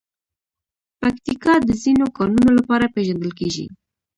پکتیکا د ځینو کانونو لپاره پېژندل کېږي.